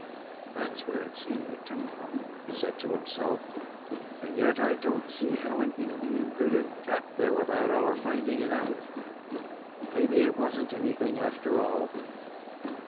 "There's where it seemed to come from," he said, to himself; "and yet I do n't see how an Indian could have got there without our finding it out. Maybe it was n't anything, after all."